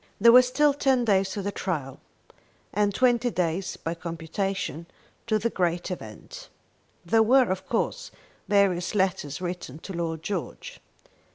There were still ten days to the trial, and twenty days, by computation, to the great event. There were, of course, various letters written to Lord George.